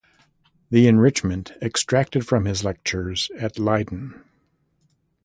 The enrichment extracted from his lectures at Leiden.